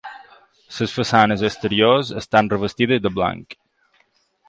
Les façanes exteriors estan revestides de blanc.